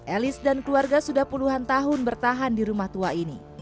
elis dan keluarga sudah puluhan tahun bertahan di rumah tua ini